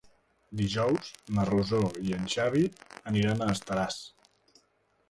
Dijous na Rosó i en Xavi aniran a Estaràs.